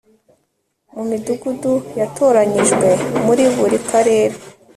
mu midugudu yatoranyijwe muri buri karere